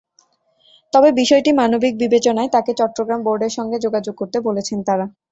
তবে বিষয়টি মানবিক বিবেচনায় তাকে চট্টগ্রাম বোর্ডের সঙ্গে যোগাযোগ করতে বলেছেন তাঁরা।